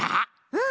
うん。